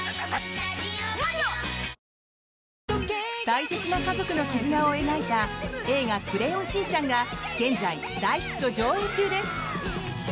大切な家族の絆を描いた「映画クレヨンしんちゃん」が現在、大ヒット上映中です。